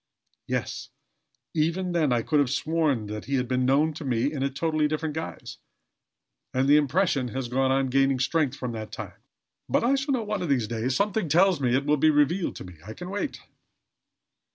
Yes, even then I could have sworn that he had been known to me in a totally different guise, and the impression has gone on gaining strength from that time. But I shall know one of these days. Something tells me it will be revealed to me. I can wait."